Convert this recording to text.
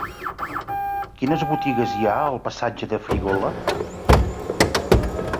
Quines botigues hi ha al passatge de Frígola?